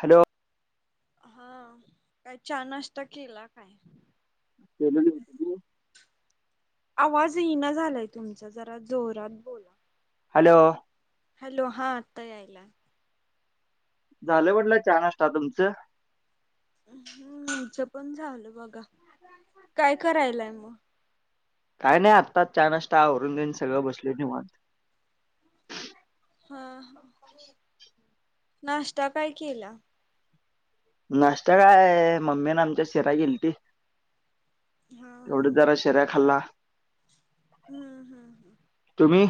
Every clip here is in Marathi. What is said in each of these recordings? हॅलो हा, काय चहा नाष्टा केला काय? [unintelligible] आवाज इना झालाय तुमचा, जरा जोरात बोला. हॅलो हॅलो, हा आत्ता यायलाय. झालं म्हटलं, चहा नाश्ता आता तुमचं हम्म, च पण झालं बघा, काय करायलाय म काय नाय आत्ता चा नाश्ता आवरून घेऊन सगळं तेन सगळं बसलोय निवांत हा नाश्ता काय केला? नाश्ता काय मम्मीन आमच्या शिरा केल्ती हा हा तेवढं जरा श शिरा खाल्ला. हं हं हं तुम्ही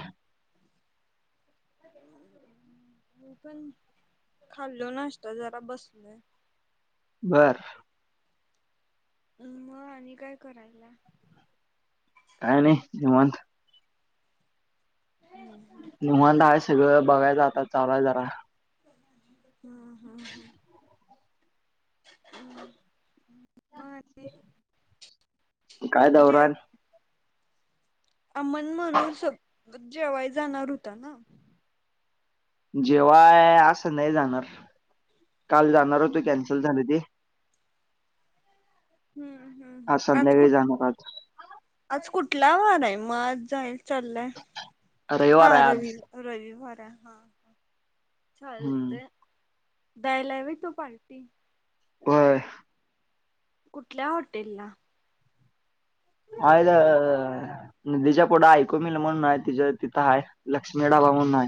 मी पण खाल्लो नाश्ता, जरा बसलोय. बर मग आणि काय करायलाय? काय नाई, निवांत निवांत हाय, सगळं बघायच आता, चालूय जरा हा हा हा. माती. काय दौराय? [unintelligible] जेवाय जाणार होता ना? जेवाय आज संध्याकाळी जाणार. काल जाणार हुतो कॅन्सल झाल ते. हम्म हम्म. आज संध्याकाळी कुठ जाणार आज आज कुठला वारय? म जाई चाललाय हा रविवार आहे आज रवी रविवाराय हा हा. हम्म चालतय. द्यायलाय व्हय तो पार्टी? होय. कुठल्या हॉटेल ला? हाय अअ. नदीच्या पुढ आयको मील म्हणून हाय तिच्या तिथं हाय, लक्ष्मी ढाबा म्हणून हाय.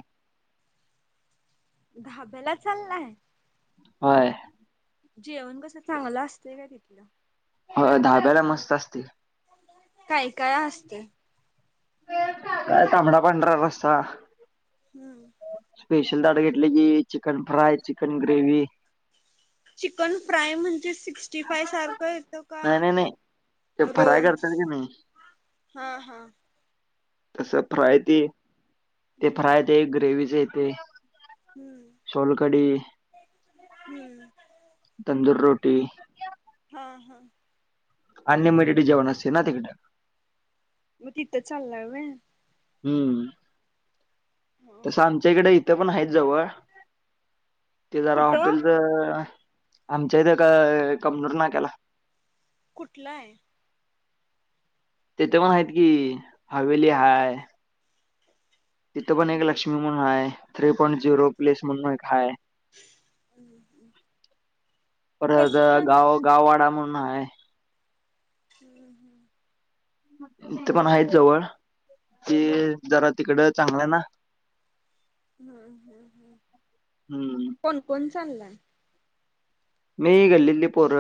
धाब्याला चाललाय? व्हय. जेवण कस चांगलं असतय काय तिथलं? होय धाब्याला मस्त असतय. काय काय असतय? काय तांबडा पांढरा रस्सा. हम्म. स्पेशल ताट घेतल की chicken fry, chicken gravy. Chicken fry म्हणजे सिक्स्टी फाय सारखं येतं नाही का? नाही नाही ते रो फराय करत्यात कनी, हा हा. तसं फ्राय ते ते हम्म फ्राय ते ग्रेवीच येतय. हम्म सोलकढी, हम्म तंदूर रोटी. हा हा. अनलिमिटेड जेवण असतय ना तिकडं. मग तिथं चालाय व्हय? हम्म. तसं आमच्या इकड इथं पण हायत जवळ. ते जरा कुठं हॉटेलच आमच्या इथ कबनूर नाक्याला, कुठलाय? तिथं पण आहेत कि, हवेली हाय. तिथं पण एक लक्ष्मी म्हणून हाय. थ्री पॉईंट झिरो प्लेस म्हणून एक हाय. परत कसं जाणार गाव आहे गाववाडा म्हणून हाय. हम्म हम्म. हीथं पण आहेत जवळ ते जरा तिकड चांगलाय ना. हम हम. हम्म कोणकोण चालाय? मी, गल्लीतली पोर.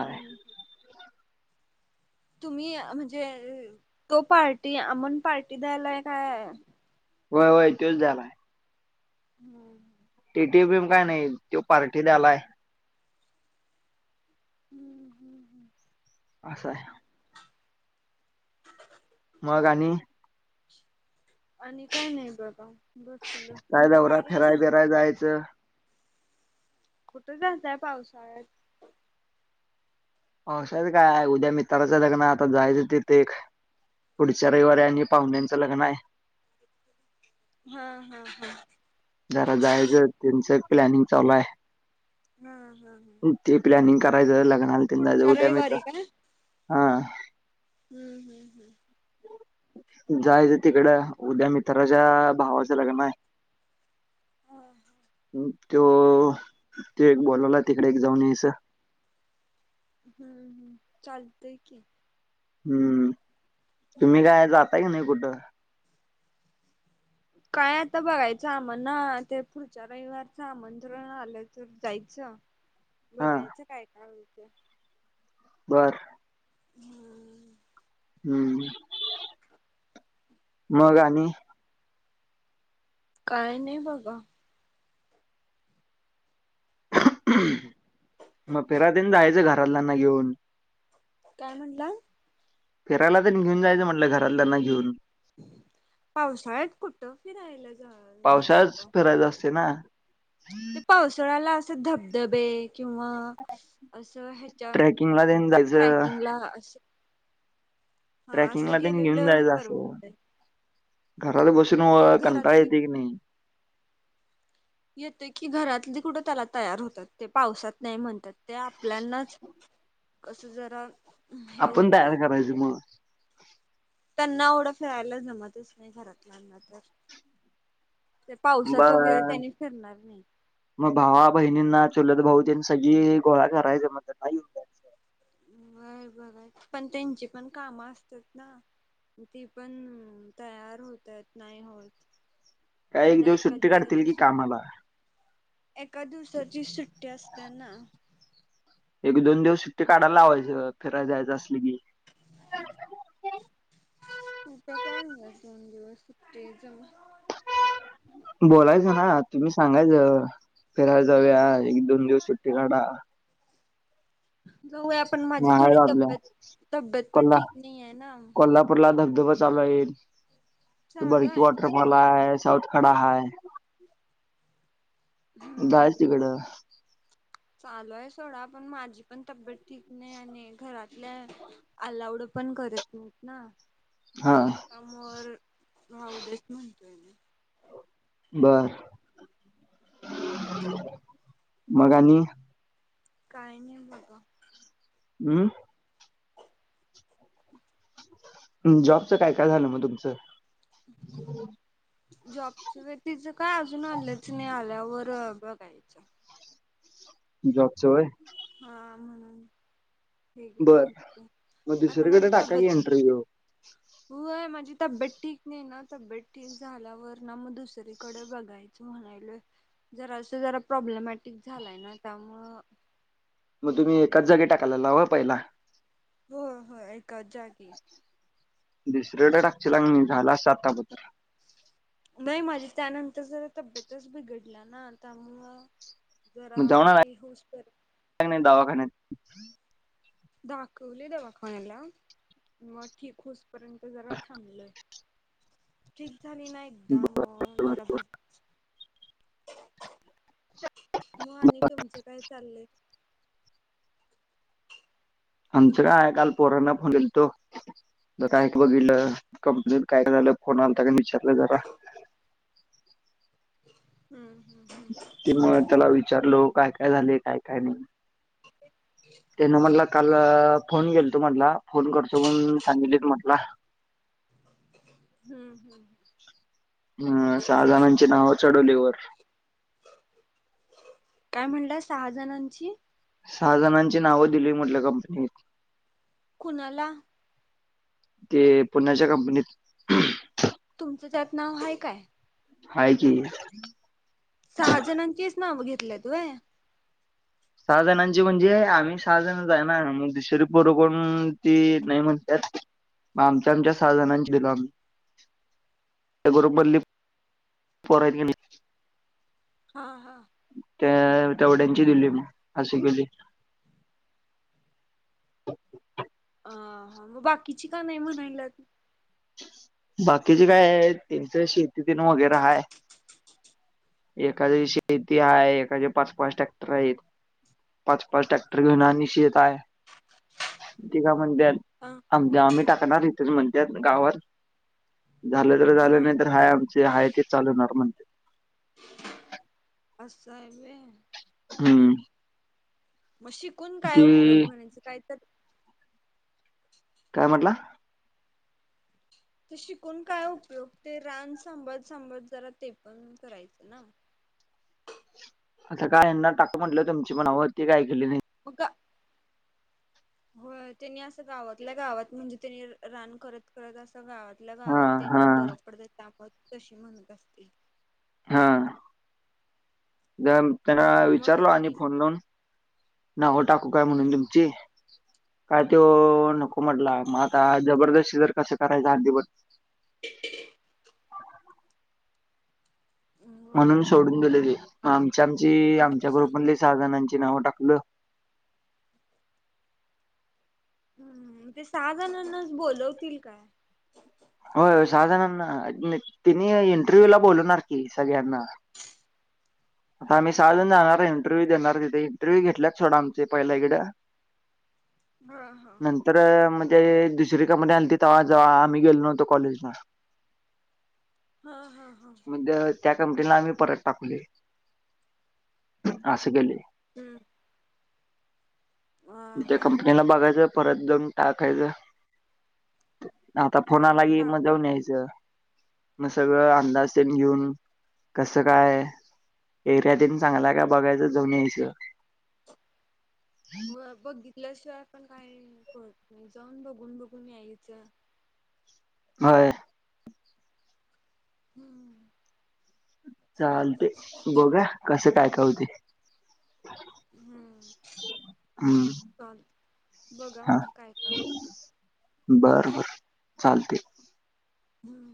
हम्म हम्. तुम्ही म्हणजे, तो पार्टी अमण पार्टी द्यायलाय काय? व्हय व्हय त्योच द्यायलाय. हम्. टीटीएम एम काय नाही त्यो पार्टी द्यायलाय. हम्म हम्म हम्म. आस हाय. मग चाल आणि आणि काय नाही बघा बसलोय. काय तुमचं दौरा कार्य फिराय झा बिराय जायचं. कुठं जाताय पावसाळ्यात? पावशाच काय? उद्या मित्राच लग्न हाय आता जायचं तिथ एक. पुढच्या रविवारी आणि पाहुण्यांचं लग्न हाय. हा हा हा. जरा जायचं, त्यांचं प्लॅनिंग चालू हाय. हां हा हा. ते प्लॅनिंग करायचं लग्नाला तेन जायच पुढच्या उद्या मित्रा, रविवारी हा. हुं. हुं. हुं. जायचं तिकडं, उद्या मित्राच्या भावाचं लग्न हाय. हां. त्यो तो एक बोलवलाय तिकडे एक जाऊन यायच. हुं. हू चालतय की. हूम्म तुम्ही हम्म. काय जाता काय नाही कुठं? काय आता बघायचं आमण ना, ते पुढच्या रविवारचं आमंत्रण आलं तर जायचं. हां, बघायचं काय काय होईते. बर. हूमं. हुं हू. ह [inaudible] मग आणि? काय नाही बघा. मग फीराय तेन जायचं घरातल्यांना घेऊन काय म्हनला? फिरायला तेन घेऊन जायचं म्हटलं घरातल्यांना घेऊन. पावसाळ्यात कुठं फिरायला जा जायच? फिरायच असतय ना. हम् [inaudible] ते पावसोळ्याला अस धबधबे किंवा आसं हे च्या ट्रेकिंगला अ तेन क जायचं. ट्रॅकिंगला अशे ट्रॅकिंग ला तेन घेऊन गेलेलं जायच आसं, परवडतंय घरात बसून कंटाळ घरातली येतय की नाही. येतोय की, घरातली कुठं तेला तयार होत्यात, ते पावसात नाही म्हणत्यात. ते आपल्यानाच कसं जरा हे आपण होतंय तयार करायचं म. त्यांना एवढं फिरायला जमतच नाही घरातल्याना तर ते पावसात वगैरे बरं. त्यानी फिरणार नाही. मग भावा बहिणींना, चुलत भाऊ तेन सगळी गोळा करायच म्हंतर नाही व्हय बर हाय, पण तेंची पण कामं असत्यात ना? ती पण तयार होत्यात, नाही होत. काय एक त्यांना दिवस एका सुट्टी काढतील दिवसाची की सु कामाला. एका दिवसाची सुट्टी असत्याना एक दोन दिवस सुट्टी काढायला लावायच, फिरायला जायचं असल की कुठं काय, नाही दोन दिवस सुट्टी हाय जनु. बोलायचं ना, तुम्ही सांगायचं, फिरायला जाऊया एक दोन दिवस सुट्टी काडा. जाऊया पण माझी थोडी महिराजल्या तब्येत तब्येत पण कोल्हा ठीक नाही आहे ना कोल्हाप पूरला धबधबा चालू हैत, चालू बडकी आहे पण वॉटरफॉल हाय, साऊथ खडा हाय हम्म धायच तिकडं. चालू आहे सोडा, पण माझी पण तब्येत ठीक नाही आणि घरातल्या अल्लाऊड पण करत नाहीत ना? हा समो र राहुदेस म्हणतोय बर. मग आणि? काही नायी बगा. अं? ह जॉबचं काय काय झालं मग तुमचं? जॉबच व्यतीिचं काय, अजून आलंनच नायी आल्या वर बघायचं. जॉबचं व्हय? आ हा. हे बर, थांबते मग आता दुसरीकडे टाका की एंटरव्ह्यू. व्हय, माजी तब्येत ठीक नाही ना तब्येत ठीक झाल्यावर ना मग दुसरीकडे बघायचं म्हणायलोय, जरासं जरा प्रॉब्लेमॅटिक झालाय ना त्यामुळं तुम्ही एकाच जागी टाकायलालावं पहिला मग होय होय एकाच जागी. दुसरीकडं टाकचेन लान झाला असता आात्ता बग. व्हय, माझी त्यानंतर जरा तब्येतच बिघडला ना त्यामुळं जरा, ठीक होस्तर. कायनाई दावाखान्यात हम् दाखवले दवाखान्याला म ठीक होस पर्यंत जरा थांबलंय. ठीक झाली ना त्ता म बरोबर. जरा ब म आनि तुमचं काय चाललंय? आमचं काय, काल पोरांना फोन दिलतो. त काय पोज दिलं, कपजीत काय झालं? फोन आल्ता की नाई चत जरा. हं हं ते म त्याला विचारलो काय काय झाले काय काय नाही. त्यानं म्हणला काल्ल फोन घेलतो म्हनला, फोन करतो म्हण सांगितले तू म्हटला. हं ह. हं सहा जणांची नावं चढवली वर. काय म्हणल्या सहा जणांची सहा जणांची नावं दिली म्हटल् गपग्नीत. कुनाला? तेए पुण्याच्या कंपनीत. खअ तुमचं च्यात नाव हाय काय? हाय की. सहा जणांचीच नाव घेतल्यात होय? सहा जणांची म्हणजे आम्ही सहा जण जाणार मग दुसरी पोरं कोणती नाही म्हणत्यात. मग आमच्या आमच्या सहा जणांची दिलो आम्ही त्या ग्रूप मधली पोरांनी मी हा हा त्या तेवड्यांची दिली मग हासी गीली [unintelligible] अं हा मग बाकीची का नाही म्हणायला त बाकीची काय आहे त्यांचं शेतीतीन वगैरे हाय एखादे शेती आहे एखादे पाच पाच ट्रॅक्टर आहेत. पाच पाच टॅक्टर घेवून आणि शेत आहे ते काय म्हणत्याल अं आमच्या आम्ही टाकणार इथचं म्हणत्यात गावावर झालं तर झालं हा. नाही तर हाय आमचे हाय तेच चालवनार म्हण असं हाय व्हय हम्म मग शिकून काय ते उपयोग होण्याच काय तर काय म्हंटला त शिकून काय उपयोग ते रान सांभळत सांभळत जरा ते पण करायच ना आता काय यांना टाक म्हटलं तुमची मनावर ते काय गेले नाही. उगा हो त्यांनी असं गावातल्या गावात म्हणजे त्यांनी रान करत, करत असं गावातल्या हा गावात हा त्यांना बर पडत त्यामुळं तशी म्हणत असते हां जम त्यांला हम्म मग विचारल आणि पक्की फोन लावून नाव टाकू का म्हणून हम्म तुमचे काय त्यो नको म्हटला मग आता जबरदस्ती जर कसं करायच आठं दिवस [unintelligible] म्हणून होय सोडून गेलेली आमच्या आमची अ तुम्ही आमच्या ग्रुपमधली सहा जणांची नाव टाकलं हम् ते सहा जणांनाच बोलवतील का? हो सहा जणांना तिने इंटरव्ह्यू ला बोलवणार की सगळ्यांना आता आम्ही सहाजण जाणार आहे इंटरव्ह्यू देणार तिथे इंटरव्हू घेतल्याच थोड आमचे पहिल्याकडे [inaudible] हा हा तर म्हणजे दुसरी कंपनी आलीती तेव्हा जव्हा आम्ही गेलो नव्हतो कॉलेजला [inaudible] हां हां हां म्हणजे त्या कमिटींगला आम्ही परत टाकले असं केले हूं त्या हा हा कंपनीला बघायचं परत जाऊन टाकायचं आता फोना होय आला की म टाक जाऊन यायचं मग सगळं अंदासेन घेऊन कसं काय एरियातीन चांगला हे का बघायचं जाऊन यायचं. हो बघितल्याशिवाय पण काय करत नाही जाऊन बघून बघून यायचं होय हम्म चालते बघुया कसं काय का होतेय हम्म हम्म चालतंय, बघा मग काय काय होतंय. बर बर चालतय. हम्म